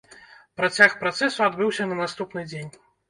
Працяг працэсу адбыўся на наступны дзень.